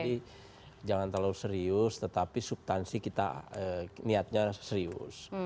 jadi jangan terlalu serius tetapi subtansi kita niatnya serius